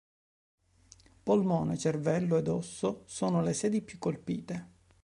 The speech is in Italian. Polmone, cervello ed osso sono le sedi più colpite.